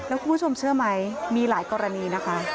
แล้วคุณผู้ชมเชื่อไหมมีหลายกรณีนะคะ